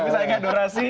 saya ingat durasi